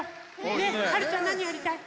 ねえはるちゃんなにやりたい？